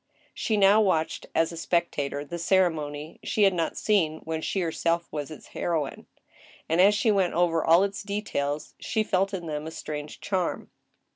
She now watched as a spectator the ceremony she had not seen when she herself was its heroine, and as she went over all its details she felt in them a strange charm.